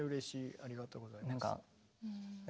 ありがとうございます。